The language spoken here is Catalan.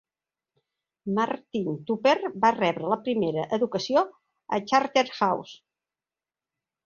Martin Tupper va rebre la primera educació a Charterhouse.